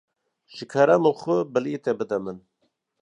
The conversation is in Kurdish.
Ji kerema xwe, bilêtê bide min.